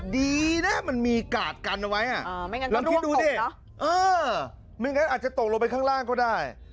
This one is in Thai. ดีนะมันมีกาดกันเอาไว้ลองคิดดูสิไม่งั้นอาจจะตกลงไปข้างล่างก็ได้